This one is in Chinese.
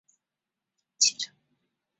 乘坐汽车而不是轿子